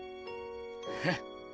フッ。